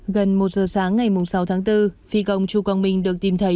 gần một giờ sáng ngày sáu tháng bốn phi công chú quang minh được tìm thấy